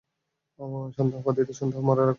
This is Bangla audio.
সন্দেহবাদীদের সন্দেহ মরার আগ পর্যন্ত থাকবে!